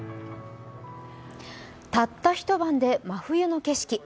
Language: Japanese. たった一晩で真冬の景色。